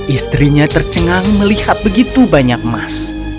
istrinya tercengang melihat begitu banyak emas